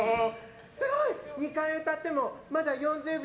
すごい！２回歌ってもまだ４０秒！